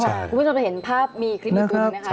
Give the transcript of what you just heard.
คุณผู้ชมเห็นภาพมีคลิปปืนหนึ่งนะคะ